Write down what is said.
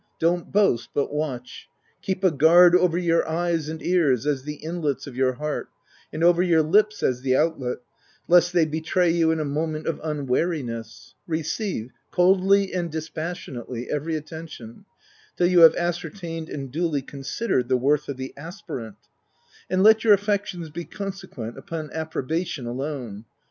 Don't boast, but n 3 274 THE TENANT tcatch. Keep a guard over your eyes and ears as the inlets of your heart, and over your lips as the outlet, lest they betray you in a moment of unwariness. Receive, coldly and dispassionately, every attention, till you have ascertained and duly considered the worth of the aspirant ; and let your affections be consequent upon appro bation alone.